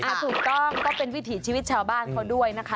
ถูกต้องก็เป็นวิถีชีวิตชาวบ้านเขาด้วยนะคะ